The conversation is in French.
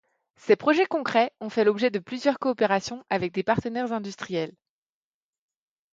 Ces projets concrets ont fait l’objet de plusieurs coopérations avec des partenaires industriels.